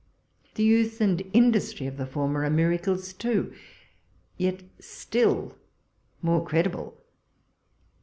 The youth and industry of the former are miracles, too, yet still more credible.